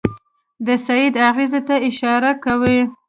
د سید اغېزې ته اشاره کوي.